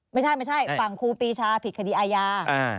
ไม่ใช่ฝั่งครูปีชาผิดคดีอาญา